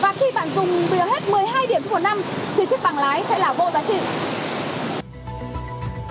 và khi bạn dùng đều hết một mươi hai điểm trong một năm thì chiếc bằng lái sẽ là vô giá trị